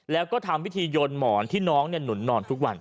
แล้วก็ทำพิธีโยนหมอนที่น้องหนุนนอนทุกวัน